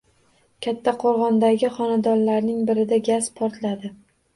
Kattaqo‘rg‘ondagi xonadonlarning birida gaz portladi